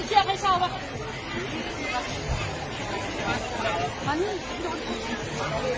เจ็บเขามากย้ายเลย